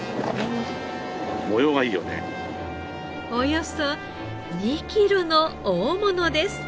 およそ２キロの大物です。